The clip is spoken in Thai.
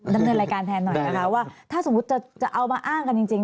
ดำเนินรายการแทนหน่อยนะคะว่าถ้าสมมุติจะเอามาอ้างกันจริง